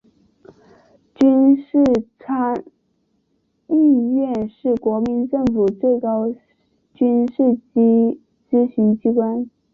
军事参议院是国民政府最高军事咨询机关。